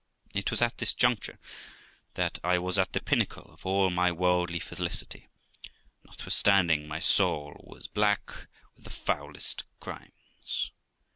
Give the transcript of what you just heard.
It was at this juncture that I was at the pinnacle of all my worldly felicity, notwithstanding my soul was black with the foulest crimes.